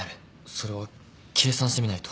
それは計算してみないと。